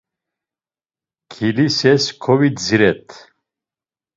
Kilises kovidziret.